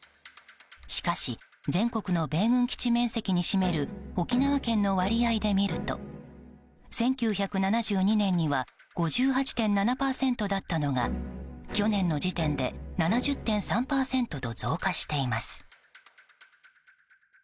しかし全国の米軍基地面積に占める沖縄県の割合で見ると１９７２年には５８．７％だったのが去年の時点で７０．３％と増加しています。